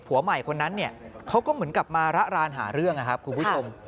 หัวใหม่คนนั้นเนี่ยเขาก็เหมือนกับมาระรานหาเรื่องนะครับคุณผู้ชม